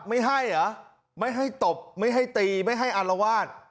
ไม่ให้เหรอไม่ให้ตบไม่ให้ตีไม่ให้อารวาส